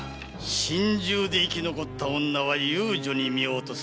心中で生き残った女は遊女に身を落とす。